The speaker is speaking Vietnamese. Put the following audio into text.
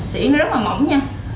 sợi yến nó rất là mỏng nha